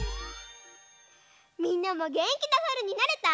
みんなもげんきなさるになれた？